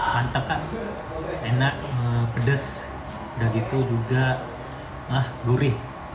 mantap enak pedas udah gitu juga duri